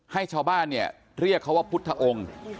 ให้ชาวบ้านเนี่ยเรียกเขาว่าพุทธองค์